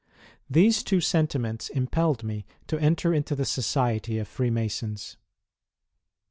These two sentiments impelled me to enter into the society of Freemasons.